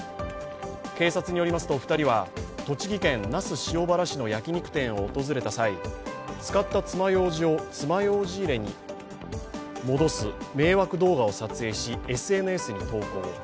警察によりますと２人は、栃木県那須塩原市の焼き肉店を訪れた際、使った爪ようじを爪ようじ入れに戻す迷惑動画を撮影しＳＮＳに投稿。